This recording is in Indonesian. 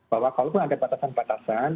bahwa kalaupun ada batasan batasan